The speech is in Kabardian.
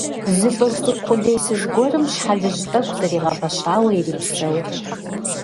Зы ЛӀыжь цӀыкӀу къулейсыз гуэрым щхьэлыжь тӀэкӀу зэригъэпэщауэ ирипсэурт.